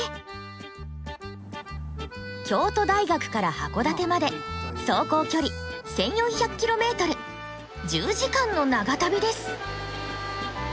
京都大学から函館まで走行距離１，４００ｋｍ１０時間の長旅です。